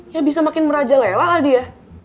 ya bisa makin meraja lelah lah dia